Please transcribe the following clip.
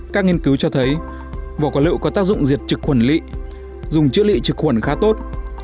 các nghiên cứu cho thấy vỏ quả lựu có tác dụng diệt trực khuẩn lị dùng chữa lị trực khuẩn khá tốt